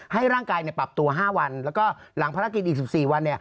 ให้ร่างกายปรับตัว๕วันแล้วก็หลังภารกิจอีก๑๔วัน